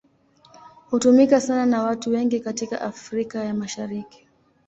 Hutumika sana na watu wengi katika Afrika ya Mashariki.